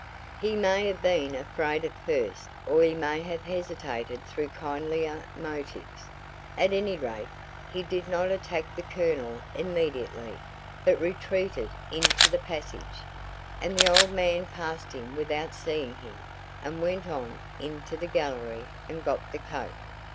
He may have been afraid at first or he may have hesitated through kindlier motives. At any rate he did not attack the Colonel immediately, but retreated into the passage, and the old man passed him without seeing him and went on into the gallery and got the coat.